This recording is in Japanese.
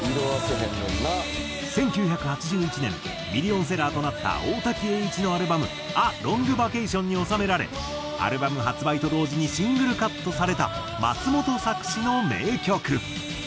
１９８１年ミリオンセラーとなった大滝詠一のアルバム『ＡＬＯＮＧＶＡＣＡＴＩＯＮ』に収められアルバム発売と同時にシングルカットされた松本作詞の名曲。